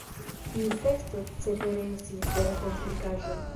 Tiu festo cetere estis vera komplikaĵo.